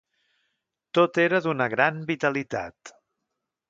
Tot era d’una gran vitalitat.